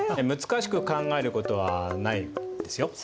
難しく考えることはないですよ。